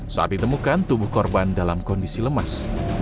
saat ditemukan tubuh korban dalam kondisi lemas